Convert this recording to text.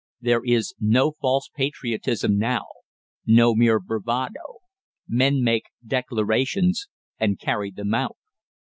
There is no false patriotism now, no mere bravado. Men make declarations, and carry them out.